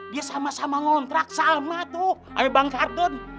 dia sama sama ngontrak sama tuh sama bang kardun